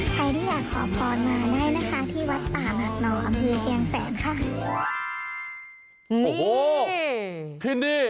ใครที่อยากขอพรมาได้นะคะที่วัดป่าหัดหน่ออำเภอเชียงแสนค่ะ